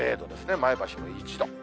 前橋も１度。